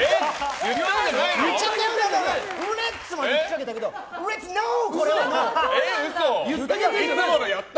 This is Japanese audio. レッツまで言いかけたけどレッツノー！って。